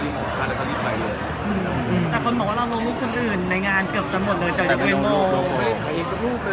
ผู้หญิงการไม่ได้ถ่ายรูปทุกหรอครับ